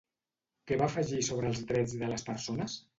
Què va afegir sobre els drets de les persones?